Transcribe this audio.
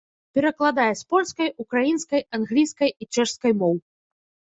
Перакладае з польскай, украінскай, англійскай і чэшскай моў.